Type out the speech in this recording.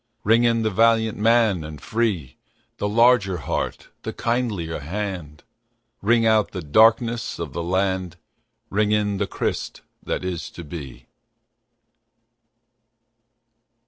Ring in the valiant man and free, The larger heart, the kindlier hand; Ring out the darkenss of the land, Ring in the Christ that is to be.